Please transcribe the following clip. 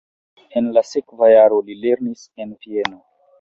En la sekva jaro li lernis en Vieno.